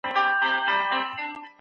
ژوند د حوصلې